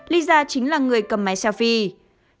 lisa chính là người cầm máy selfie